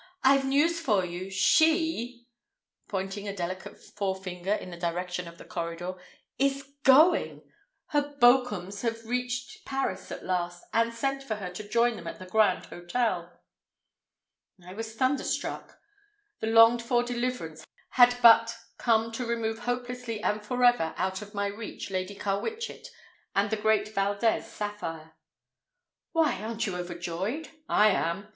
"I've news for you. She," pointing a delicate forefinger in the direction of the corridor, "is going! Her Bokums have reached Paris at last, and sent for her to join them at the Grand Hotel." I was thunderstruck. The longed for deliverance had but come to remove hopelessly and forever out of my reach Lady Carwitchet and the great Valdez sapphire. "Why, aren't you overjoyed? I am.